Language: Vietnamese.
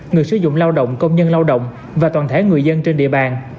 người sử dụng lao động công nhân lao động và toàn thể người dân trên địa bàn